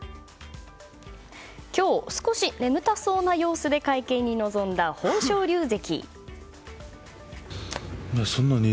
今日少し眠たそうな様子で会見に臨んだ豊昇龍関。